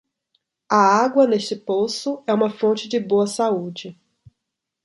A água neste poço é uma fonte de boa saúde.